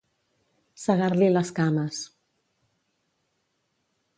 Segar-li les cames.